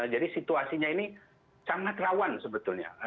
jadi situasinya ini sangat rawan sebetulnya